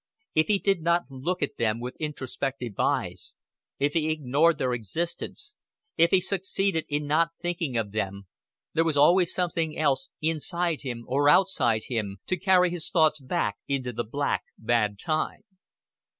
If he did not look at them with introspective eyes, if he ignored their existence, if he succeeded in not thinking of them, there was always something else, inside him or outside him, to carry his thoughts back into the black bad time.